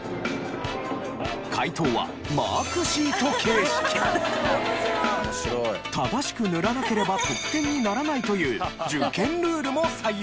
解答は正しく塗らなければ得点にならないという受験ルールも採用。